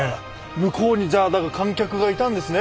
向こうにじゃあだから観客がいたんですね。